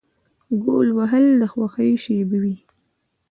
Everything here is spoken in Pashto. ګول وهل د خوښۍ شیبه وي.